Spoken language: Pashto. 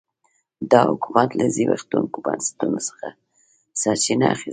دا حکومت له زبېښونکو بنسټونو څخه سرچینه اخیسته.